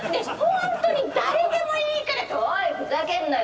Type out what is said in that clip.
本当に誰でもいいから。っておいふざけんなよ！